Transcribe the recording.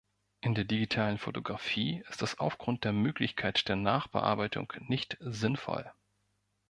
In der digitalen Fotografie ist das aufgrund der Möglichkeit der Nachbearbeitung nicht sinnvoll.